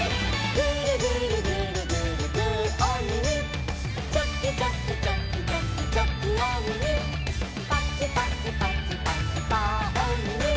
「グルグルグルグルグーおみみ」「チョキチョキチョキチョキチョキおみみ」「パチパチパチパチパーおみみ」